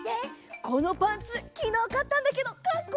このパンツきのうかったんだけどかっこいいでしょ！